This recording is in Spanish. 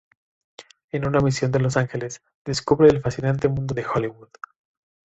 En una misión en Los Ángeles, descubre el fascinante mundo de Hollywood.